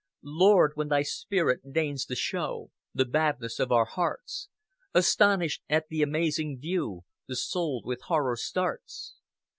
"Lord, when Thy Spirit deigns to show The badness of our hearts, Astonished at the amazing view, The Soul with horror starts.